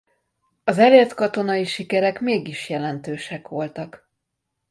Az elért katonai sikerek mégis jelentősek voltak.